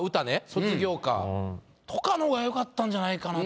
「卒業歌」とかの方が良かったんじゃないかなって。